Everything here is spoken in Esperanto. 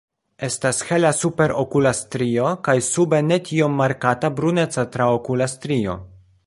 Estas hela superokula strio kaj sube ne tiom markata bruneca traokula strio.